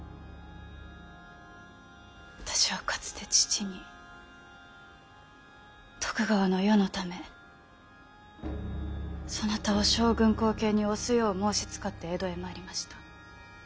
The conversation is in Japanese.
私はかつて父に徳川の世のためそなたを将軍後継に推すよう申しつかって江戸へ参りました。